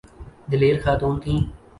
دلیر خاتون تھیں۔